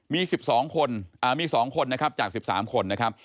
มี๑๒คนมี๒คนนะครับจาก๑๓คนนะครับ